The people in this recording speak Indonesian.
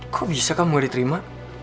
kok bisa kamu diterima